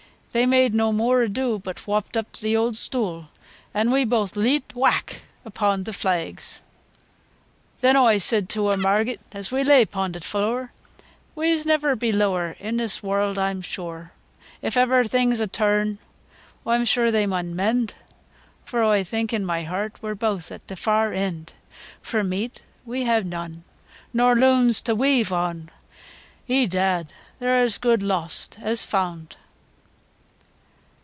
They made no moor ado But whopped up th' eawd stoo', An' we booath leet, whack upo' t' flags! VI. Then oi said to eawr Marget, as we lay upo' t' floor, "We's never be lower i' this warld, oi'm sure, If ever things awtern, oi'm sure they mun mend, For oi think i' my heart we're booath at t' far eend; For meeat we ha' none; Nor looms t' weyve on, Edad! they're as good lost as fund."